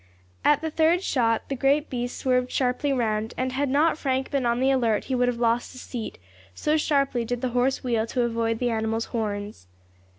At the third shot the great beast swerved sharply round, and had not Frank been on the alert he would have lost his seat, so sharply did the horse wheel to avoid the animal's horns.